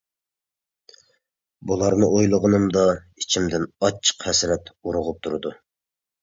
بۇلارنى ئويلىغىنىمدا ئىچىمدىن ئاچچىق ھەسرەت ئۇرغۇپ تۇرىدۇ.